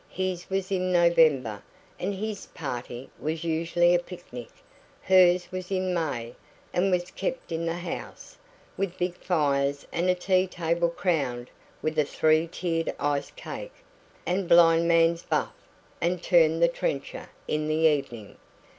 His was in November, and his "party" was usually a picnic. Hers was in May, and was "kept" in the house, with big fires and a tea table crowned with a three tiered iced cake, and blind man's buff and turn the trencher in the evening.